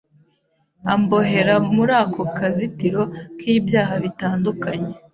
ambohera muri ako kazitiro k’ibyaha bitandukanye